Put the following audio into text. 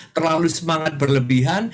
terlalu semangat berlebihan